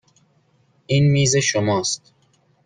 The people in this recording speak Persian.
این میز شماست.